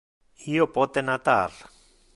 Io pote natar.